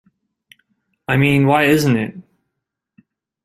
I mean, why isn't it?